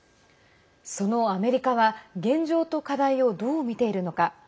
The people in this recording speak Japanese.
そのアメリカは現状と課題を、どう見ているのか。